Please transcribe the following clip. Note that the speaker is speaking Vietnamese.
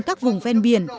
các vùng phen biển